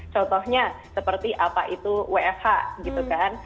contohnya seperti apa itu wfh gitu kan